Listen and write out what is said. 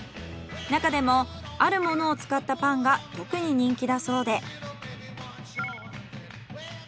中でもあるものを使ったパンが特に人気だそうで。